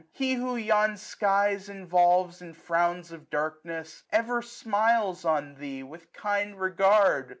He, who yon skies involves *' In frowns of darkness, ever smiles on thee With kind regard.